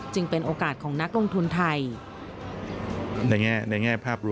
เป็นโอกาสของนักลงทุนไทย